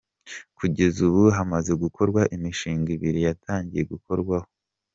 Kugeza ubu hamaze gukorwa imishinga ibiri yatangiye gukorwaho.